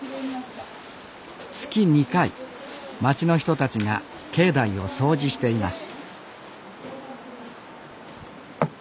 月２回町の人たちが境内を掃除しています